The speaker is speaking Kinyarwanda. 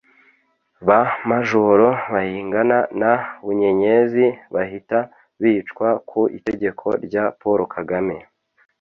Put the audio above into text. ba majoro bayingana na bunyenyezi bahita bicwa ku itegeko rya paul kagame.